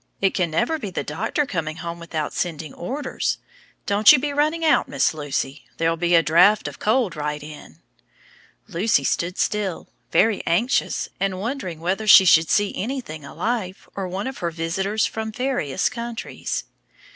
It can never be the doctor coming home without sending orders! Don't you be running out, Miss Lucy; there'll be a draught of cold right in." Lucy stood still; very anxious, and wondering whether she should see anything alive, or one of her visitors from various countries.